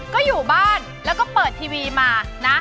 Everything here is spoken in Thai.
ก็อยู่บ้านแล้วก็เปิดทีวีมานะ